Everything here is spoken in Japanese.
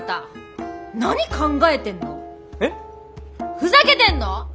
ふざけてんの？